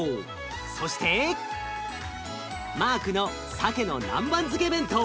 そしてマークのさけの南蛮漬け弁当。